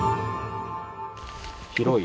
広い。